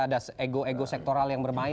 ada ego ego sektoral yang bermain